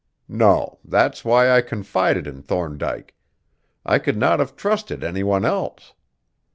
No, that's why I confided in Thorndyke, I could not have trusted any one else.